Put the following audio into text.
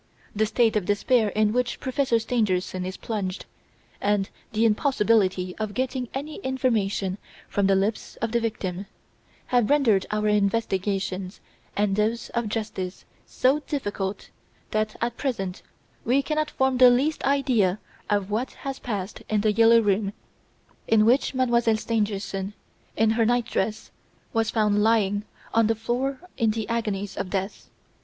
The state of despair in which Professor Stangerson is plunged, and the impossibility of getting any information from the lips of the victim, have rendered our investigations and those of justice so difficult that, at present, we cannot form the least idea of what has passed in "The Yellow Room" in which Mdlle. Stangerson, in her night dress, was found lying on the floor in the agonies of death.